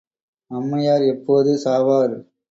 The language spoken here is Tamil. அம்மையார் எப்போது சாவார்?